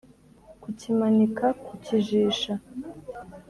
kukimanika kukijisha